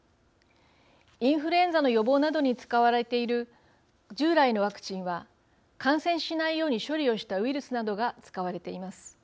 インフルエンザの予防などに使われている従来のワクチンは感染しないように処理をしたウイルスなどが使われています。